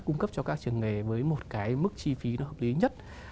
cung cấp cho các trường nghề với một cái mức chi phí nó hợp lý nhất